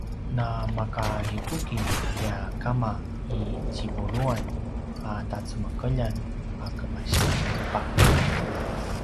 namakahikuki tia kama i tjivuluan a tacemekeljan a kemasi taipaq